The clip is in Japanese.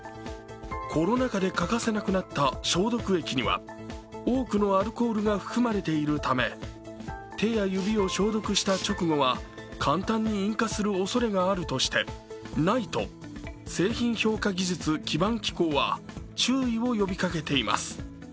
コロナ禍で欠かせなくなった消毒液には多くのアルコールが含まれているため、手や指を消毒した直後は簡単に引火するおそれがあるとして、ＮＩＴＥ＝製品評価技術基盤機構は注意を呼びかけています。